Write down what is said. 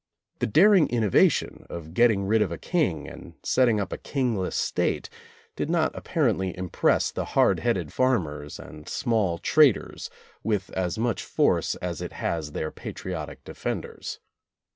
The daring innovation of getting rid of a king and setting up a kingless State did not ap parently impress the hard headed farmers and small traders with as much force as it has their patriotic defenders.